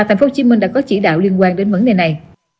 tp hcm đã có chỉ đạo liên quan đến vấn đề này